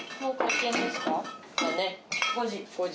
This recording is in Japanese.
５時。